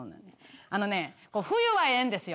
あのね冬はええんですよ。